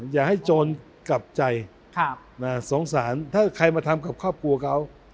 อย่าให้โจรกลับใจสงสารถ้าใครมาทำกับครอบครัวเขา